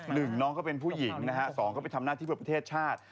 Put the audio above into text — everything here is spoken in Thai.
หนึ่งน้องเขาเป็นผู้หญิงนะฮะสองเขาไปทำหน้าที่เพื่อประเทศชาติ